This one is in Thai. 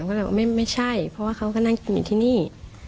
ก็เลยว่าไม่ใช่เพราะว่าเขาก็นั่งกินอยู่ที่นี่